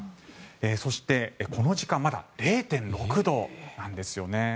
そしてこの時間まだ０．６度なんですよね。